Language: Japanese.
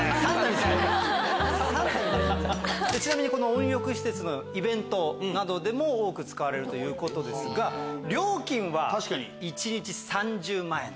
温浴施設のイベントなどでも多く使われるということですが料金は一日３０万円。